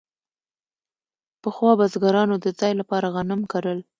پخوا بزګرانو د ځان لپاره غنم کرل.